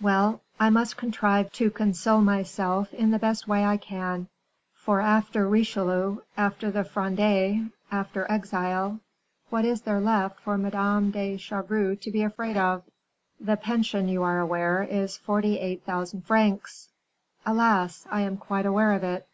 "Well; I must contrive to console myself in the best way I can; for after Richelieu, after the Fronde, after exile, what is there left for Madame de Chevreuse to be afraid of?" "The pension, you are aware, is forty eight thousand francs." "Alas! I am quite aware of it."